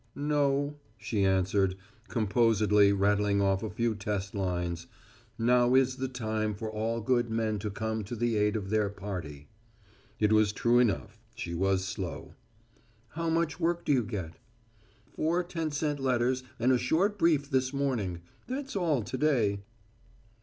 "No," she answered, composedly rattling off a few test lines "Now is the time for all good men to come to the aid of their party." It was true enough. She was slow. "How much work do you get?" "Four ten cent letters and a short brief this morning. That's all to day."